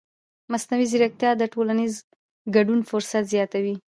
مصنوعي ځیرکتیا د ټولنیز ګډون فرصت زیاتوي.